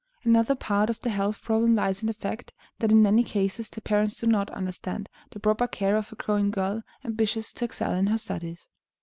Another part of the health problem lies in the fact that in many cases the parents do not understand the proper care of a growing girl, ambitious to excel in her studies.